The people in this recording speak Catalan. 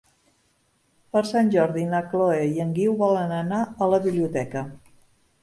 Per Sant Jordi na Chloé i en Guiu volen anar a la biblioteca.